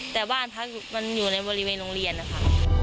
แต่บ้านพักมันอยู่ในบริเวณโรงเรียนนะคะ